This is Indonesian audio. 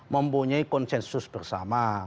mempunyai konsensus bersama